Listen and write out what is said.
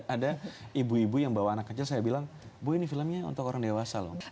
ada ibu ibu yang bawa anak kecil saya bilang bu ini filmnya untuk orang dewasa loh